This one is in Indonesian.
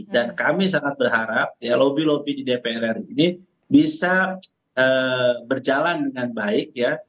dan kami sangat berharap ya lobby lobby di dpr ri ini bisa berjalan dengan baik ya